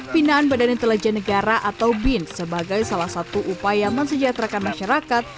pinaan badan intelijen negara atau bin sebagai salah satu upaya mensejahterakan masyarakat